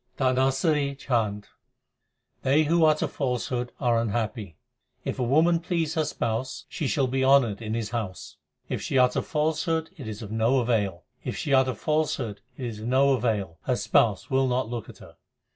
DHANASARI CHHANT They who utter falsehood are unhappy : If a woman please her Spouse, she shall be honoured in His house : If she utter falsehood it is of no avail : If she utter falsehood it is of no avail ; her Spouse will not look at her.